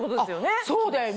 そうだよね！